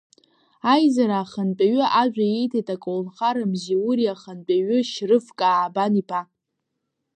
Аизара ахантәаҩы ажәа ииҭеит, аколнхара Мзиури ахантәаҩы Шьрыф Каабан-иԥа.